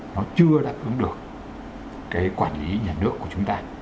nó chưa đáp ứng được cái quản lý nhà nước của chúng ta